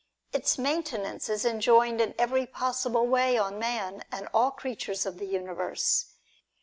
Its maintenance is enjoined in every possible way on man and all creatures of the universe.